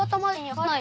はい。